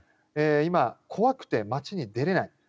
今、怖くて街に出れない。